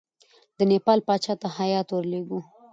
د نیپال پاچا ته هیات ولېږو.